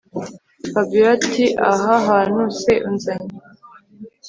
Fabiora atiaha hantu se unzanye